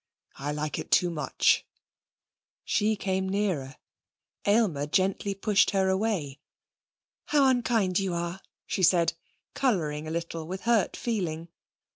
I like it too much.' She came nearer. Aylmer gently pushed her away. 'How unkind you are!' she said, colouring a little with hurt feeling.